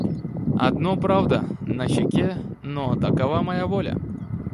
Одно, правда, на щеке, но такова моя воля.